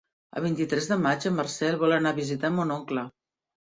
El vint-i-tres de maig en Marcel vol anar a visitar mon oncle.